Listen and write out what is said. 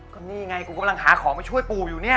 ก็นี่ไงกูกำลังหาของมาช่วยปู่อยู่เนี่ย